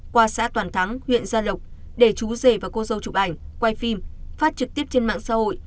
qua xã toàn thắng huyện gia lộc để chú rể và cô dâu chụp ảnh quay phim phát trực tiếp trên mạng xã hội